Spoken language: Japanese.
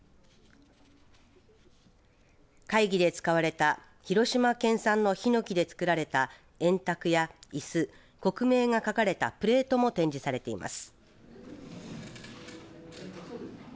会議で使われた広島県産のひのきで作られた円卓やいす国名が書かれたプレートも展示されています。